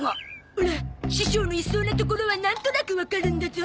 オラ師匠のいそうな所はなんとなくわかるんだゾ。